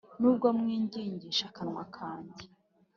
nubwo mwingingisha akanwa kanjye